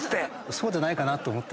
そうじゃないかなって思って。